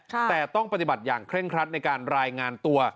แต่ต้องปฏิบัติอย่างเคร่งครัดในการรายงานตัว